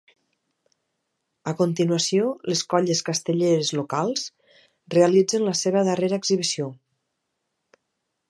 A continuació les colles castelleres locals realitzen la seva darrera exhibició.